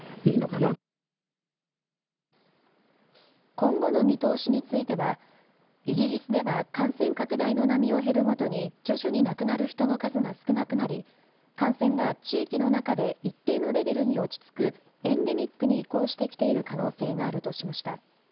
今後の見通しについてはイギリスでは感染拡大の波を経るごとに徐々に亡くなる人の数が少なくなり感染が地域の中で一定のレベルに落ち着くエンデミックに移行してきている可能性があるとしました。